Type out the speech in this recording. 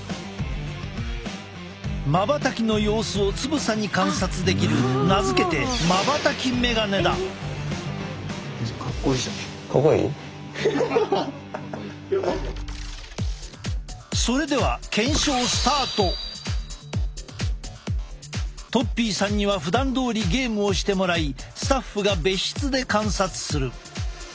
まばたきの様子をつぶさに観察できる名付けてとっぴーさんにはふだんどおりゲームをしてもらいスタッフが別室で観察する。